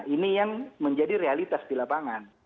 ini yang menjadi realitas di lapangan